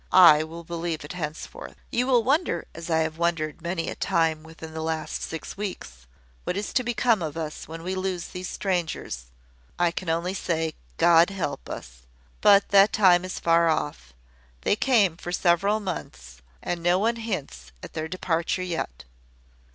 I will believe it henceforth. "You will wonder, as I have wondered many a time within the last six weeks, what is to become of us when we lose these strangers. I can only say, `God help us!' But that time is far off. They came for several months, and no one hints at their departure yet.